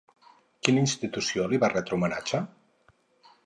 Quina institució li va retre homenatge?